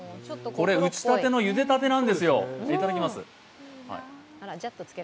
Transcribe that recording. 打ちたての、ゆでたてなんですよ。